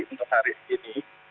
untuk hari ini